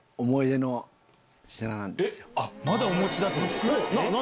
まだお持ちだったんですか。